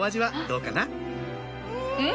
うん！